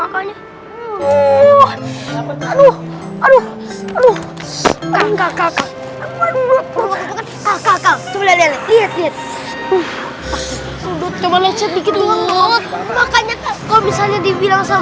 kita tuh mau balapan